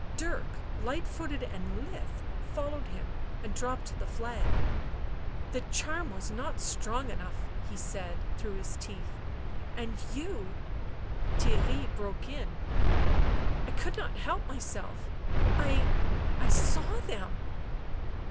Dirk, light footed and lithe, followed him, and dropped the flag. " The charm was not strong enough,'' he said through his teeth. " And you " Theirry broke in. " I could not help myself — I — I — saw them."